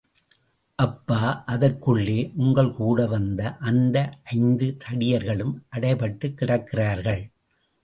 அப்பா, அதற்குள்ளே உங்கள் கூடவந்த அந்த ஐந்து தடியர்களும் அடைபட்டுக் கிடக்கிறார்கள்.